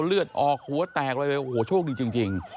แล้วเลือดออกหัวแตกอะไรเลยโหชคดีจริงจริง